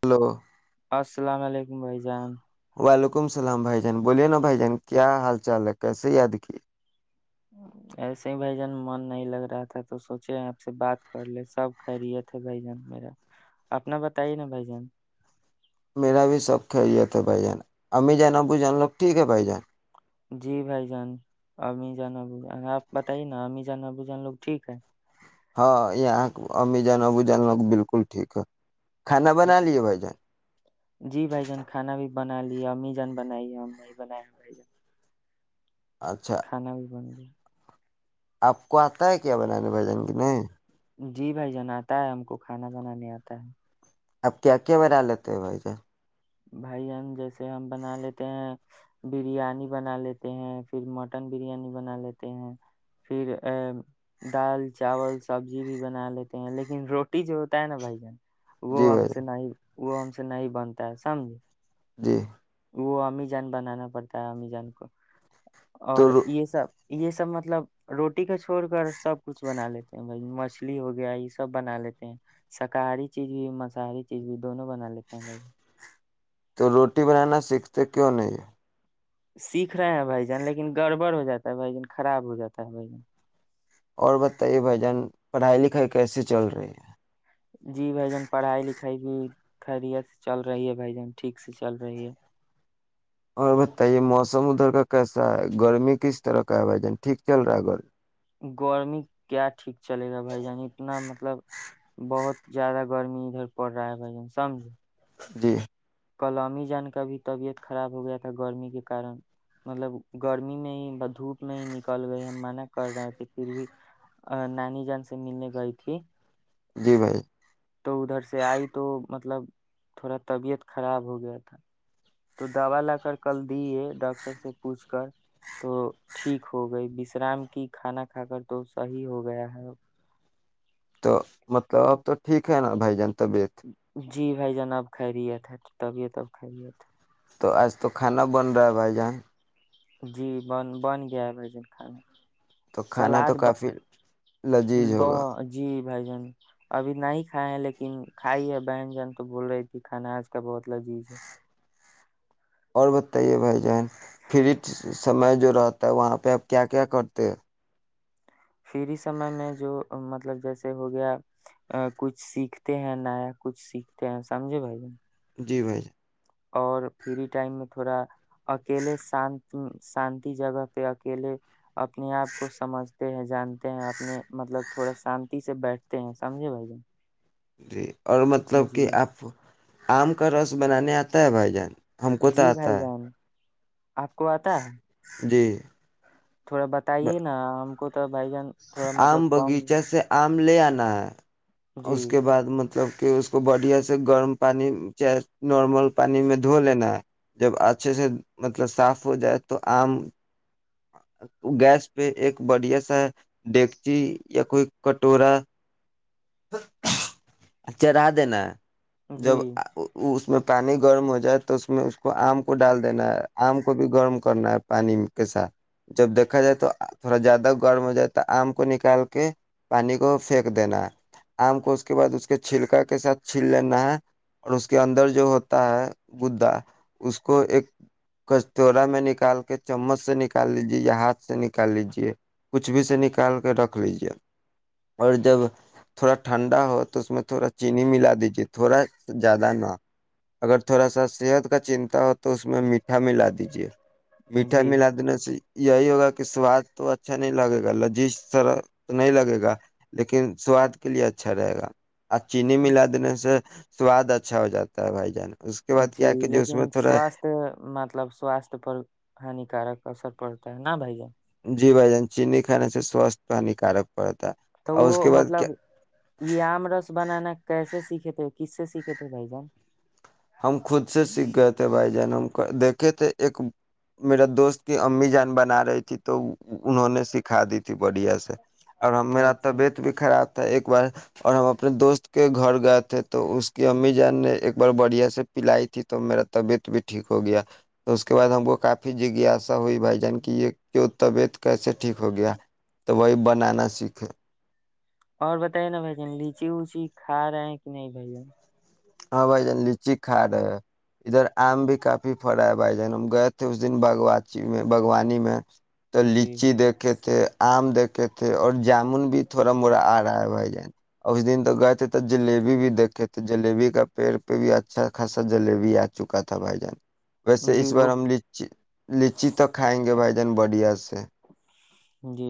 hello السلام علیکم بھائی جان وعلیکم السلام بھائی جان بوولے نا بھائی جان کیا حال چال ہے کیسے یاد کیے ایسے ہی بھای جان من نہیں لگ رہا تھا تو سوچے آپ سے بات کر لے سب خیریت ہے بھای جان میرا اپنا بتائیے نا بھائی جان میرا بھی سب خیریت ہے بھائی جان ا می جان ابو جان لوگ ٹھیک ہے بھائی جان جی بھائی جان امی جان ابو جان آپ بتائیے نا امی جان ابو جان لوگ ٹھیک ہے ہاں یہاں امی جان ابو جان لوگ بالکل ٹھ ہے کھانا بنا اچ لیے بھائی جان جی بھائی جان کھانا بھی بنا لی امی جان بنائی ہے ہم نے بنایا بھائی جان اچھا کھانا بھی بن گیا آپ کو آتا ہے کیا بنانا بھجن کے نہیں جی بھائی جان آتا ہے ہم کو کھانا بنانے آتا ہے اب کیا کیا بجا لیتے ہو بھائی ج بھائی جان جیسے ہم بنا لیتے ہیں بریانی بنا لیتے ہیں پھر مٹن بریانی بنا لیتے ہیں پھر ا دال چاول سبزی بھی بنا لیتے ہیں لیکن روٹی جو ہوتا ہے نا بھائی جان وہ جی ہم بھائی سے جان نہیں وہ ہم سے نہیں بنتا سمج جی وہ امی جان بنانا پڑتا ہے امی جان کو تو اور رو- یہ سب یہ سب مطلب روٹی کا چھوڑ کر سب کچھ بنا لیتے ہیں بھائی مچھلی ہو گیا یہ سب بنا لیتے ہیں شاکاہاری چیز بھی مساہاری چیز بھی دونوں بنا لیتے ہیں بھائی تو روٹی بنانا سیکھتے کیوں نہیں ہے سیکھ رہے ہیں بھائی جان لیکن گڑبڑ ہو جاتا ہے بھائی جن خراب ہو جاتا ہے بھ جن اور بتائیے بھ جان پڑھائی لکھائی کیسے چل رہی ہے جی بھ جان پڑھائی لکھائی بھی خیریت سے چل رہی ہے بائی جن ٹھیک سے چل رہی ہے اور بتائیے موسم ادھر کا کیسا ہے گرمی کس طرح کا ہے بھائی جان ٹھیک چل رہا ہے گھر گرمی کیا ٹھیک چلے گا بھائی جان اتنا مطلب بہت زیادہ گرمی ادھر پڑ رہا ہے بھائی جان سمجھ جی کلاممی جان کا بھی طبیعت خراب ہو گیا تھا گرمی کے کارن مطلب گرمی میں ہی دھوپ میں ہی نکل گئی ہم منع کر رہے تھے پھر بھی نانی جان سے ملنے گئی تھی جی بھائی تو ادھر سے آئی تو مطلب تھوڑا طبیعت خراب ہو گیا تھا تو دوا لا کر کل دیے ڈاکٹر سے پوچھ کر تو ٹھیک ہو گئی وشرام کی کھانا کھا کر تو صحیح ہو گیا ہے تو مطلب اب تو ٹھیک ہے نا بھائی جان طبیعت جی بھائی جان آب خیریت ہے طبیعت اب خیریت ہے تو آج تو کھانا بن رہا ہے بھائی جان جی بن بن گیا ہے وجن کھانا تو کھانا تو سلاد ب... کافی لذیذ ب... ہوگا جی بھائی جان ابھی نہیں کھائے ہیں لیکن کھائی ہے بہن جن تو بول رہی تھی کھانا آج کا بہت لذیذ ہے اور بتائیے بھائی جان پھر سمے جو رہتا ہے وہاں پہ آپ کیا کیا کرتے ہیں فری سمے میں جو مطلب جیسے ہو گیا کچھ سیکھتے ہیں نیا کچھ سیکھتے ہیں سمجھے بھائی ج جی بھائی جان اور فری ٹائم میں تھوڑا اکیلے شانت شانتی جگہ پہ اکیلے اپنے آپ کو سمجھتے ہیں جانتے ہیں اپنے مطلب تھوڑا شانتی سے بیٹھتے ہیں سمجھے بھائی جان جی اور مطلب کہ جی آپ آم کا رس بنانے آتا ہے بھائی جان ہم کو تو جی بھائی آتا جان ہے آپ کو آتا ہے جی تھوڑا بتائیے نا ہم کو تو بھائی جان تھوڑا مطلب آم کم باغیچہ سے آم لے آنا ہے جی اس کے بعد مت مطلب کہ اس کو بڑھیا سے گرم پانی چاہے نارمل پانی میں دھو لینا ہے جب اچھے سے مطلب صاف ہو جائے تو آم گیس پہ ایک بڑھیا سا ڈگچی یا کوئی کٹورا چ رہا دینا جب جی اس میں پانی گرم ہو جائے تو اس میں اس کو آم کو ڈال دینا ہے آم کو بھی گرم کرنا ہے پانی کے ساتھ جب دیکھا جائے تو تھوڑا زیادہ گرم ہو جائے تو آم کو نکال کے پانی کو پھینک دینا ہے آم کو اس کے بعد اس کے چھلکا کے ساتھ چل لینا ہے اور اس کے اندر جو ہوتا ہے گدا اس کو ایک کچورا میں نکال کے چمچ سے نکال لیجے یا ہاتھ سے نکال لیجے کچھ بھی سے نکال کے رکھ لیجے اور جب تھوڑا ٹھنڈا ہو تو اس میں تھوڑا چینی ملا دیجیے تھوڑا زیادہ نہ اگر تھوڑا سا صحت کا چنتا ہو تو اس میں میٹھا ملا دیجے میٹھا جی ملا دینے سے یہی ہوگا کہ سواد تو اچھا نہیں لگے گا لذیذ سرح نہیں لگے گا لیکن سواد کے لیے اچھا رہے گا آ چینی ملا دینے سے سواد اچھا ہو جاتا ہے بھائی جان اس کے بعد جی کیا کہ جو اس لیکن میں تھوڑا سواستھ مطلب سواستھ پر ہانیکارک اثر پڑتا ہے نا بائی جان جی بائی جان جان چیننی کھا سے سوستھ ہانیکارک پڑتا ہے تو اور وہ اس کے بعد کیا مطلب یہ آم رس بنانا کیسے سیکھے تھے کس سے سیکھے تھے بھائی جان ہم خود سے سیکھ گئے تھے بھائی جان ہم دیکھ س تھے ایک میرا دوست کی امی جان بنا رہی تھی تو انہوں نے سکھا دی تھی ت بڑھیا سے اور ہم میرا اچھا طبیعت بھی خراب تھا ایک [inaudible] اور ہم اپنے دوست کے گھر گئے تھے تو اس کی امی جان نے ایک بار بڑھیا سے ے پلائی تھی تو میرا طبیعت بھی ٹھیک ہو گیا اس کے بعد ہم کو کافی جگاسا ہوئی بھائی جان کی یہ کیوں طبیعت کیسے ٹھیک ہو گیا تو وہی بنانا سیکھے اور بتے نا بھائی جن لیچی ووچی کھا رہے ہیں کہ نہیں بھائی جن ہاں بھائی جان لچی کھا رہے ہیں ادھر آم بھی کافی پڑا ہے بھائی جان ہم گئے تھے اس دن باوچی میں باغوانی میں تو جی لچی دیکھے تھے آم دیکھے تھے اور جامن بھی تھوڑا موڑا آ رہا ہے بھائی جان اس دن تو گئے تھے تو جلیبی بھی دیکھے تھے جلیبی کا پیڑ پہ بھی اچھا خاصا جلیبی آ چکا تھا بھائی جان ویسے جی اس بار وہ ہمچی لچی توک کھائیں گے بھائی جان بڑھیا سے جی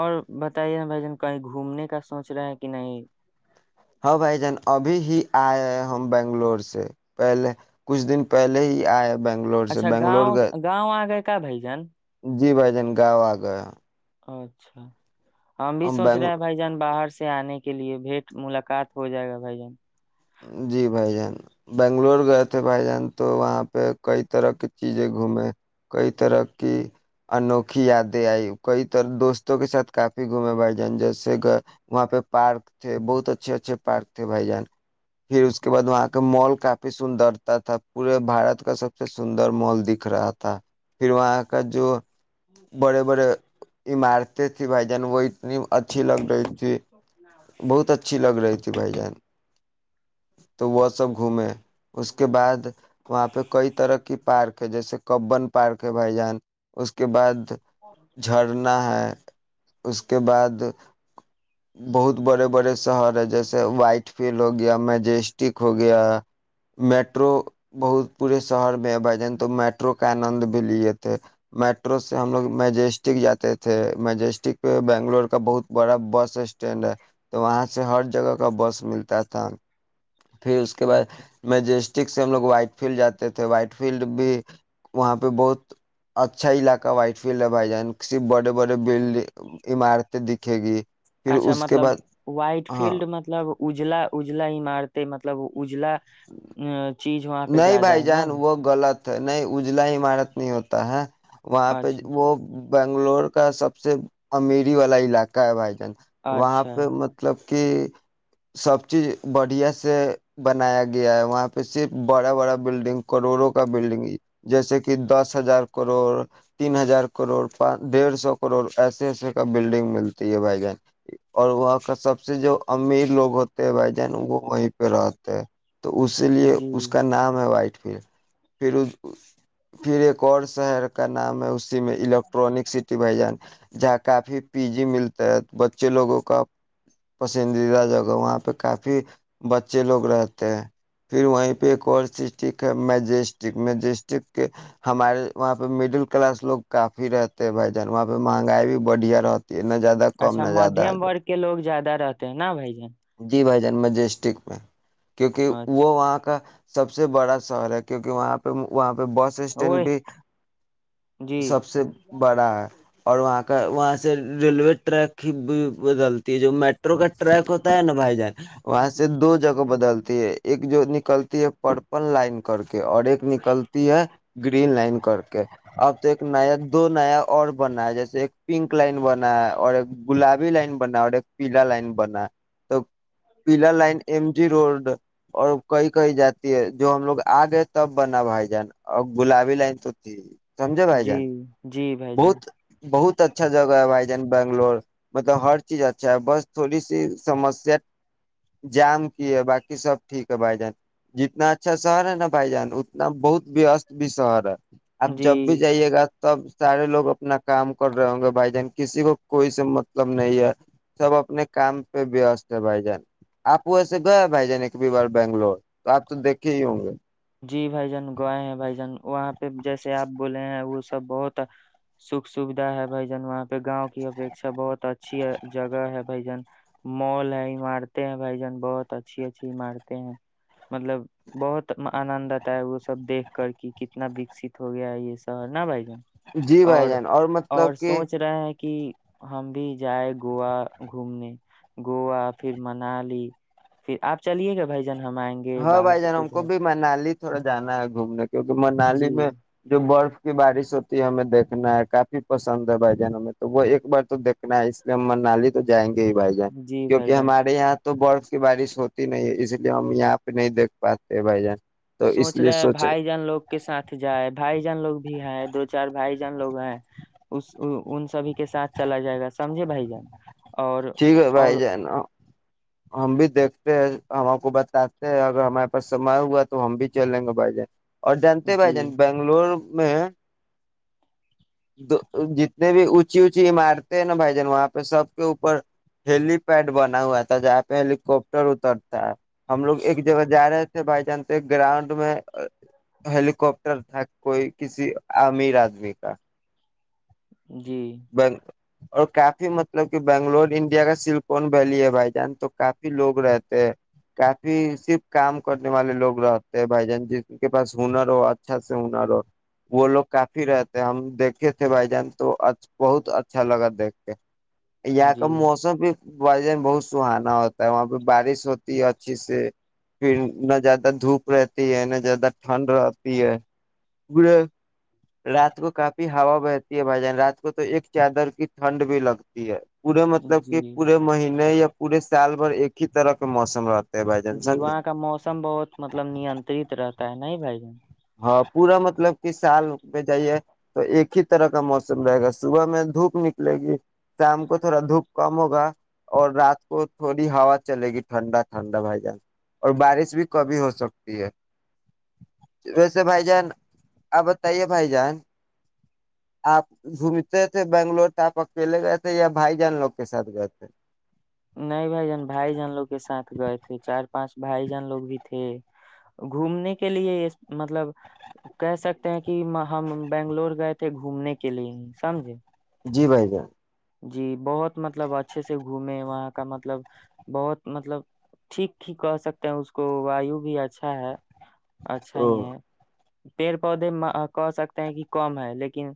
اور بتائیے نا بھائی جان کہیں گھومنے کا سوچ رہا ہے کہ نہیں ہ بھائی جان ابھی ہی آئے ہیں ہم بنگلور سے پہلے کچھ دن پہلے ہی آئے بنگلور سے اچھا بنگلور گاؤں گئے گاؤں آ گئے کا بھائی جان جی بھائی جان گاؤ آ گئے اچھا ہم بھی سوچ رہے بنگ ہیں بھائی جان باہر سے سے آنے کے لیے بھیٹ ملاقات ہو جائے گا بھائی جان جی بھائی جان بنگلور گئے تھے بھائی جان تو وہاں پہ کئی طرح کی چیزیں گھومے کئی طرح کی انوکھی یادیں آئی کئی طرح دوستوں کے ساتھ کافی گھومے بھائی جان جیسے گئے وہاں پہ پارک تھے بہت اچھے اچھے پارک تھے بھائی جان پھر اس کے بعد وہاں کا مال کافی سندرتا تھا پورے بارت کا سب سے سندر مال دکھ رہا تھا پھر وہاں کا جو بڑے بڑے عمارتیں تھھی بھائی جان وہ اتنی اچھی لگ رہی تھی بہت اچھی لگ رہی تھی بھائی جان تو وہ سب گھومے اس کے بعد وہاں پہ کئی طرح کی پارک ہے جیسے کبن پارک ہے بھائی جان اس کے بعد جھرنا ہے اس کے بعد بہت بڑے بڑے شہر ہے جیسے وائٹ فیلڈ ہو گیا مجیسٹک ہو گیا میٹرو بہت پورے شہر میں ہے بھائی جان تو میٹرو کا آنند بھی لیے تھے میٹرو سے ہم لوگ مجیسٹک جاتے تھے مجیسٹک پہ بنگلور کا بہت بڑا بس اسٹ اسٹینڈ ہے تو وہاں سے ہر جگہ کا بس ملتا تھا پھر اس کے بعد میں جیس ٹیک سے ہم لوگ وائٹ فیلڈ جاتے تھے وائٹ فیلڈ بھی وہاں پہ بہت اچھا علاقہ وائٹ فیلڈ ہے بھائی جان کرف بڑے بڑے بڈ عمارتیں دکھے گی پھر اچھا اس کے مطلب بعد وائٹ ہاں فیلڈ مطلب اجلا اجلا ہی مارتے مطلب اجلا ا چ [unintelligible] نہیں بھائی جان وہ غلط نہیں اجلا عمارت نہیں ہوتا ہے وہاں پہ اچھا وہ بنگلور کا سب سے امیری والا علاقہ ہے بھائی وہاں اچھا پہ مطلب کہ سب چیز بڑھیا سے بنایا گیا ہے وہاں پہ صرف بڑا بڑا بلڈنگ کروڑوں کا بلڈنگ جیسے کہ دس ہزار کروڑ تین ہزار کروڑ پان ڈیڑھ سو کروڑ ایسے ایسے کا بلڈنگ ملتی ہے بھائی جان اور وہاں کا سب سے جو امیر لوگ ہوتے ہیں بھائی جان وہ وہیں پہ رہتے ہیں تو اسی لیے جی اس کا نام ہے وائٹ پھر پھر پھر ایک اور شہر کا نام ہے اسی میں الیکٹرک سٹی بہ جان جہاں کافی پی جی ملتا ہے بچے لوگوں کا پسندیدہ جگہ وہاں پہ کافی بچے لوگ رہتے ہیں پھر وہیں پہ ایک اور سسٹک ہے مجیسٹک مجیسٹک کے ہمارے وہاں پہ مڈل کلاس لوگ کافی رہتے ہیں بھائی جان وہاں پہ مہنگائی بھی بڑھیا رہتی نہ زیادہ کم نہ زیادہ ہے جائے تے ہیں نہ بائی جان جی بھائی جان م ڈسٹک میں کیونکہ وہ وہاں کا سب سے بڑا شہر ہے کیونکہ وہاں پہ وہاں پہ بس اچھا وہ اسٹینڈ بھی جی سب سے بڑا ہے اور وہاں کا وہاں سے ریلو ریک ہی ب بدلتا یہ جو میٹرو کا ٹریک ہوتا ن بھائی جائے وہاں سے دو جگہ بدلتی ہے ایک جو نکلتی ہے پرپل لائن کر کے اور ایک نکلتی ہے گرین لائن کر کے اب تو ایک نیا دو نیا اور بنا ہے جیسے ایک پنک لائن بنا ہے اور ایک گلابی لائن بنا اور ایک پیلا لائن بنا توب پیلا لائن ایم جی روڈ اور کہیں کہیں جاتی ہے جو ہم لوگ آ گئے تب بنا بھائی جان اور گلابی لائن تو تھی سمجھے بھائی جی جان جی بھائی جان بہت بہت اچھا جگہ ہے بھائی جان بنگلور مطلب ہر چیز اچھا ہے بس تھوڑی سی سمسیا جام کی ہے باقی سب ٹھیک ہے بھائی جان جتنا اچھا شہر ہے نا بھائی جان اتنا بہت وست بھی شہر ہے آپ جی جب بھی جائیے گا تب سارے لوگ اپنا کام کر رہے ہوں گے بھائی جان کسی کو کوئی سے مطلب نہیں ہے سب اپنے کام پہ بیست ہے بھائی جان آپ ویسے گئے بھائی جان ایک بھی بار بنگلور تو آپ تو دیکھے ہی ہوں گے جی بھائی جان گوئے ہیں بھائی جان وہاں پہ جیسے آپ بولے ہیں وہ سب بہت سکھ سوھا ہے بھائی جان وہاں پہ گاؤں کی اپیکھا بہت اچھی جگہ ہے بھائی جان مال ہے عمارتیں ہیں بھائی جان بہت اچھی اچھی عمارتیں ہیں مطلب بہت آنند آتا ہے وہ سب دیکھ کر کے کتنا وکست ہو گیا ہے یہ شہر نا بھائی جان جی بھائی جان اور مطلب کہ سوچ رہے ہیں کہ ہم بھی جائ گووا گھومنے گووا پھر منالی پھر آپ چلیے گا بھائی ہم آئیں گے باہر سے تو گھر نال ہی تھوڑا جانا ہےگا گھومنے کیونکہ منالی جی میں جو برف بارش ہوتی ہے ہمیں دیکھنا ہے کافی پسند ہے بھائی جان ہمیں تو وہ ایک بار تو دیکنا ہے اس لیے ہم منالی تو جائیں گے ہی بھائی جائے جی بھائی کیونکہ جان ہمارے یہاں تو برف کی بارش ہوتی نہیں ہے اس لیے ہم یہاں نہیں دھ پاتے بھائی جان تو اس سوچ لیے رہے ہے بھائی جان لوگ کے ساتھ جائے بھائی جان لوگ بھی ہے دو چار بھائی جان لوگ ہیں اس ان سبھی کے ساتھ چلا جائے گا سمجھے بھائی جان اور ٹھیک ہے بھائیائی اور جائے نا ہم بھی دیکھ ہم آ کو بتاتے ہیں اگر ہمارے پاس سما ہوا تو ہم بھی چلیں گے بھائی جان اور جانتے بھائی جی جان بنگلور میں جتنے بھی اونچی اونچی عمارتیں ہیں نا بھائی جان وہاں پہ سب کے اوپر ہیلی پیڈ بنا ہوا تھا جہاں پہ ہیلییکپٹر اترتا ہم لوگ ایک جگہ جا رہے تھے بائی چانس ایک گراؤنڈ میں ہیلییکپٹر تھا کوئی کسی امیر آدمی کا جی اور کافی مطلب کہ بنگلور انڈیا کا سلکون ویلی ہے بھائی جان تو کافی لوگ رہتے ہیں کافی صرف کام کرنے والے لوگ رہتے ہیں بھائی جان جن کے پاس ہنر ہو اچھا سے ہنر ہو وہ لوگ کافی رہتے ہیں ہم دیکھے تھے بھائی جان تو بہت اچھا لگا دیکھ کے یہاں کا جی موسم بھائی جان بہت سہانا ہوتا ہے وہاں پہ بارش ہوتی ہے اچھی سے پھر نہ زیادہ دھوپ رہتی ہے نہ زیادہ ٹھنڈ رہتی ہے پورے رات کو کافی ہوا بہتی ہے بھائی جان رات اس کو تو ایک چادر کی ٹھنڈ بھی لگتی ہے پورے مطلب کہ جی پورے مہینے یا پورے سال بھر ایک ہی طرح کے موسم رہ جی وہاں کا موسم بہت مطلب نیترت رہتا ت نہیں بھ جان ہاں پورا مطلب کہ سال پہ جائیے تو ایک ہی طرح کا موسم رہے گا صبح میں دھوپ نکلے گی شام کو تھوڑا دھوپ کم ہوگا اور رات کو تھوڑی ہوا چلے گی ٹھنڈا ٹھنڈا بھائی جانس اور بارش بھی کبھی ہو سکتی ہے ویسے بھائی جان آپ بتائیے بھائی جان آپ گھومتے تھے بنگلور تو آپ اکیلے گئے تھے یا بھائی جان لوگ کے ساتھ گئے تھے نہیں بھائی جان بھائی جان لوگ کے ساتھ گئے تھے چار پانچ بھائی جان لوگ بھی تھے گھومنے کے لیے مطلب کہہ سکتے ہیں کہ ہم بنگلور گئے تھے گھومنے کے لیے سمجھے جی بھائی جان جی بہت مطلب اچھے سے گھومے وہاں کا مطلب بہت مطلب ٹھیک ہیھ کہ سکتے ہیں اس کو وایو بھی اچھا ہے اچھا او ہی ہے پیڑ پودے کہ سکتے ہیں کہ کم ہے لیکن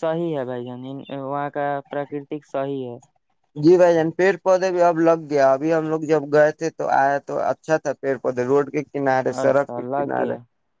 صحی ہے بھائی جان وہاں کا پراکرتک شاہی ہے جی بھ جان پیڑ پودے بھی اب لگ گیا ابھی ہم لوگ جب گئے تھے تو آیا تو اچھا تھا پیڑ پودے روڈ کے کنار ہے سرک پ اچھا لگ کنار گیا ہے